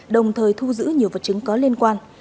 đồng thời thu giữ nhiều vật chứng có liên quan